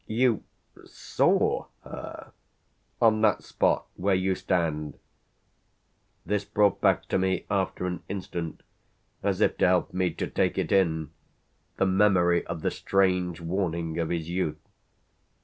"You 'saw' her?" "On that spot where you stand." This brought back to me after an instant, as if to help me to take it in, the memory of the strange warning of his youth.